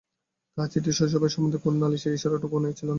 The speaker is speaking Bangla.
তাহার চিঠিতে শ্বশুরবাড়ি সম্বন্ধে কোনো নালিশের ইশারাটুকুও ছিল না।